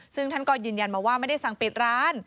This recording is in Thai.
ซึ่งท่านก็ยืนยันมาว่าไม่ได้สั่งปิดร้าน